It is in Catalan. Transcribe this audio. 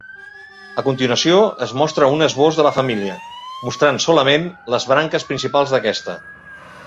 A continuació es mostra un esbós de la família, mostrant solament les branques principals d'aquesta.